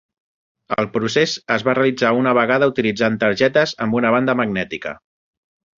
El procés es va realitzar una vegada utilitzant targetes amb una banda magnètica.